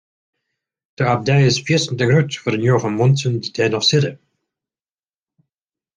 De abdij is fierstente grut foar de njoggen muontsen dy't der noch sitte.